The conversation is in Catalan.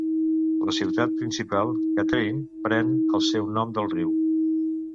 La ciutat principal, Katherine, pren el seu nom del riu.